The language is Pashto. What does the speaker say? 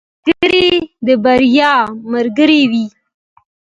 ملګری د بریا ملګری وي.